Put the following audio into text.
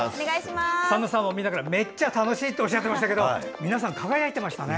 ＳＡＭさん、めっちゃ楽しいっておっしゃってましたけど皆さん、輝いていましたね。